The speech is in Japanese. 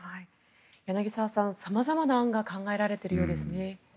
柳澤さん、様々な案が考えられているようですね。